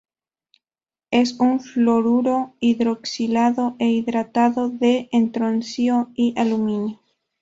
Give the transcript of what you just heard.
Es un fluoruro hidroxilado e hidratado de estroncio y aluminio.